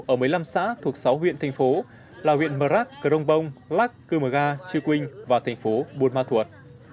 ở một mươi năm xã thuộc sáu huyện thành phố là huyện mờ rắc cờ rông bông lắc cư mờ ga chư quynh và thành phố buôn ma thuột